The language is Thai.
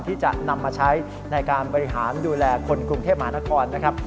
ที่จะนำมาใช้ในการบริหารดูแลคนกรุงเทพมหานครนะครับ